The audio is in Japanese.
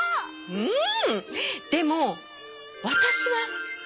うん！